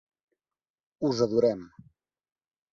Us adorem.